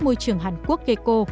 môi trường hàn quốc geco